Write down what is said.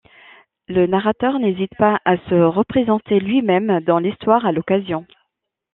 Le narrateur n'hésite pas à se représenter lui-même dans l'histoire à l'occasion.